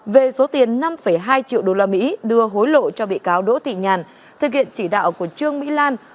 về số tiền năm hai triệu usd đưa hối lộ cho bị cáo đỗ thị nhàn thực hiện chỉ đạo của trương mỹ lan